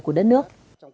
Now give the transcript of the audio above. của đất nước